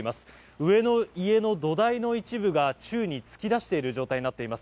上の家の土台の一部が宙に突き出している状態になっています。